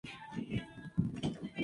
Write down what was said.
De Mayo y calle San Nicolás.